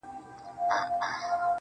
دا لوړ ځل و، تر سلامه پوري پاته نه سوم